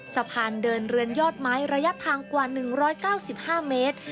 สะพานเดินเรือนยอดไม้ระยะทางกว่า๑๙๕เมตร